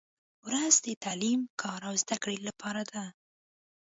• ورځ د تعلیم، کار او زدهکړې لپاره ده.